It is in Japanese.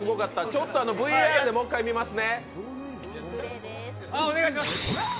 ちょっとＶＡＲで、もう１回見ますね。